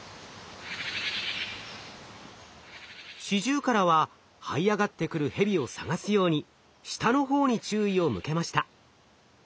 シジュウカラははい上がってくるヘビを探すように下の方に注意を向けました。